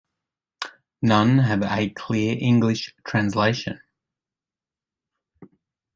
None have a clear English translation.